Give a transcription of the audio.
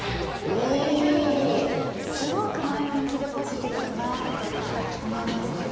お！っていうのにすごく前向きでポジティブだなと思います。